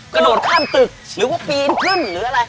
กระโดดข้ามตึกหรือว่าปีนขึ้นหรืออะไร